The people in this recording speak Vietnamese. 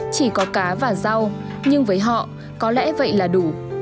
chỉ có cá và rau nhưng với họ có lẽ vậy là đủ